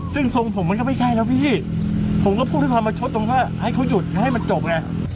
ซึ่งทรงผมมันก็ไม่ใช่แล้วพี่ผมก็พูดได้ความมาชดตรงก็ให้เขาหยุดให้ให้มันจบเนี่ย